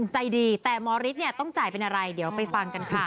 ใจดีแต่หมอฤทธิ์เนี่ยต้องจ่ายเป็นอะไรเดี๋ยวไปฟังกันค่ะ